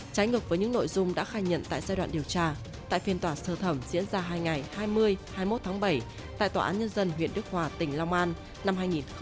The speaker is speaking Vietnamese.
trái ngược với những nội dung đã khai nhận tại giai đoạn điều tra tại phiên tòa sơ thẩm diễn ra hai ngày hai mươi hai mươi một tháng bảy tại tòa án nhân dân huyện đức hòa tỉnh long an năm hai nghìn một mươi ba